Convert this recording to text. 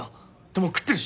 もう食ってるし！